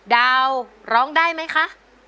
ดาวร้องได้ไหมคะ